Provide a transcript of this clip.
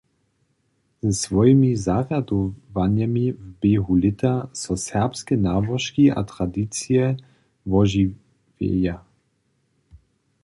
Ze swojimi zarjadowanjemi w běhu lěta so serbske nałožki a tradicije wožiwjeja.